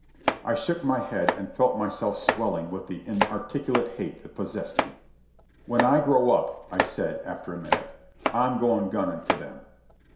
I shook my head and felt myself swelling with the inarticulate hate that possessed me. "When I grow up," I said, after a minute, "I'm goin' gunning for them."